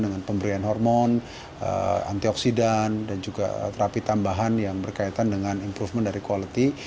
dengan pemberian hormon antioksidan dan juga terapi tambahan yang berkaitan dengan improvement dari quality